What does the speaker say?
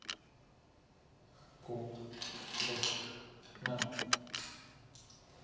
５６７。